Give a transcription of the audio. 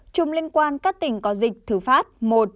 sáu chùm liên quan các tỉnh có dịch thứ pháp một